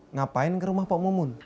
ngapain ke rumah pak momun